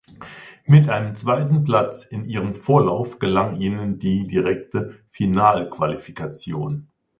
Mit einem zweiten Platz in ihrem Vorlauf gelang ihnen die direkte Finalqualifikation.